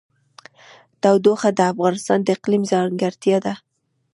تودوخه د افغانستان د اقلیم ځانګړتیا ده.